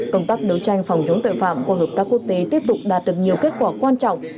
công tác đấu tranh phòng chống tội phạm qua hợp tác quốc tế tiếp tục đạt được nhiều kết quả quan trọng